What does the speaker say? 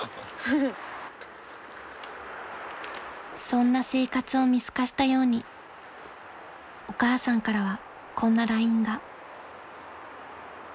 ［そんな生活を見透かしたようにお母さんからはこんなＬＩＮＥが］